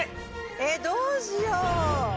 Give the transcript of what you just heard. えっどうしよう。